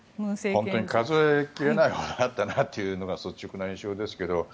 本当に数え切れないほどあったなというのが率直な印象ですけど。